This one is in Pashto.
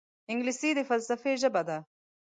انګلیسي د فلسفې ژبه ده